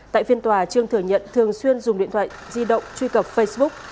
tại phiên tòa trương thừa nhận thường xuyên dùng điện thoại di động truy cập facebook